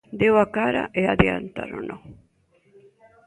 Deu a cara e adiantárono.